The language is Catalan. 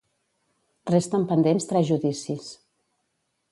Resten pendents tres judicis.